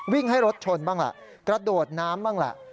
ให้รถชนบ้างล่ะกระโดดน้ำบ้างแหละ